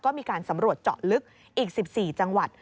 ก็มีการสำรวจเจาะลึกอีก๑๔จังหวัด